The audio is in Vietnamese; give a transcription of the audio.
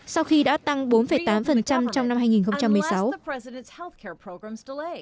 sau khi đã tăng bốn tám trong năm hai nghìn một mươi sáu